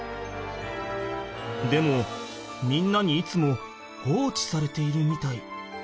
でもみんなにいつも放置されているみたい。